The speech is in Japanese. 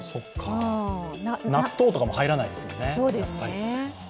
納豆とかも入らないですもんね。